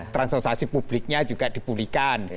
transosiasi publiknya juga dipublikkan